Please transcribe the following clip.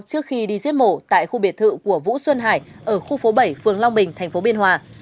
trước khi đi giết mổ tại khu biệt thự của vũ xuân hải ở khu phố bảy phường long bình thành phố biên hòa